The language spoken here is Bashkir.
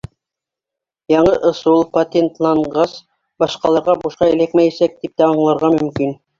Яңы ысул патентланғас, башҡаларға бушҡа эләкмәйәсәк, тип тә аңларға мөмкин.